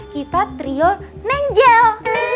kita trio neng jel